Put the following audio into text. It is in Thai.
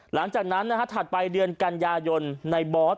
หลังจากนั้นถัดไปเดือนกันยายนในบอส